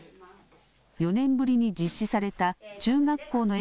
４年ぶりに実施された中学校の英